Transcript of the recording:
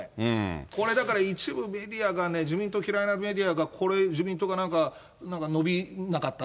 これだから一部メディアが、自民党嫌いなメディアが、これ、自民党がなんか伸びなかった？